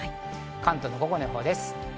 関東の午後の予報です。